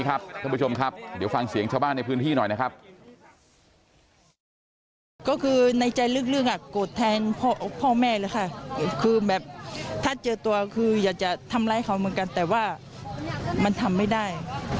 ก็คือในใจลึกโกรธแทนพ่อแม่เลยค่ะคือแบบถ้าเจอตัวคืออยากจะทำร้ายเขาเหมือนกันแต่ว่ามันทำไม่ได้